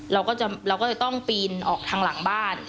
เราก็จะต้องปีนออกทางหลังบ้าน